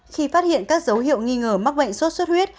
khi phát hiện các dấu hiệu nghi ngờ mắc bệnh suốt huyết